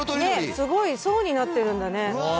すごい、層になってるんだね。